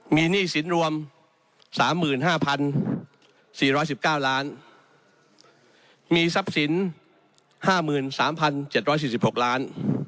มีหนี้สินรวม๓๕๔๑๙ล้านมีทรัพย์สิน๕๓๗๔๖ล้าน